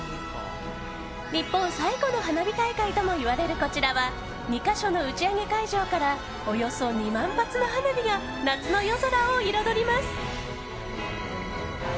日本最古の花火大会ともいわれるこちらは２か所の打ち上げ会場からおよそ２万発の花火が夏の夜空を彩ります。